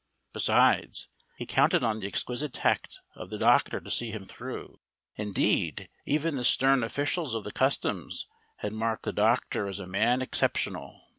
Besides, he counted on the exquisite tact of the doctor to see him through. Indeed, even the stern officials of the customs had marked the doctor as a man exceptional.